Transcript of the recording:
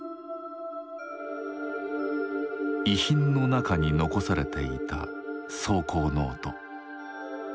遺品の中に残されていた草稿ノート。